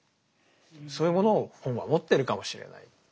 そういうものを本は持ってるかもしれない。